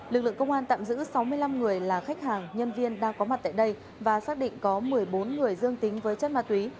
lực lượng công an tạm giữ sáu mươi năm người là khách hàng nhân viên đang có mặt tại đây và xác định có một mươi bốn người dương tính với chất ma túy